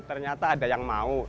ternyata ada yang mau